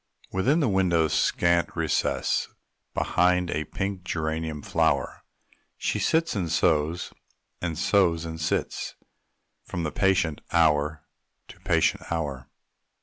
Within the window's scant recess, Behind a pink geranium flower, She sits and sews, and sews and sits, From patient hour to patient hour.